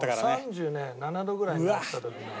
３７度ぐらいになった時のね。